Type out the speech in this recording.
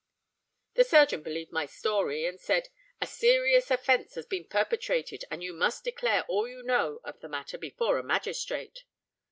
The surgeon believed my story, and said, 'A serious offence has been perpetrated, and you must declare all you know of the matter before a magistrate.'